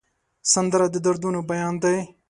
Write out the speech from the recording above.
سندره د دردونو بیان ده